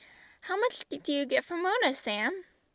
How much do you get from Mona, Sam?"